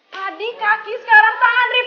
tadi kaki sekarang tangan rit